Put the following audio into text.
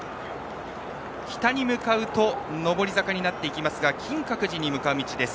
北に向かうと上り坂になっていきますが金閣寺に向かう道です。